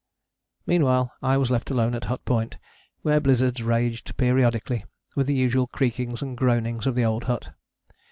Meanwhile I was left alone at Hut Point, where blizzards raged periodically with the usual creakings and groanings of the old hut.